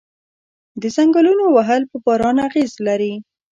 د ځنګلونو وهل په باران اغیز لري؟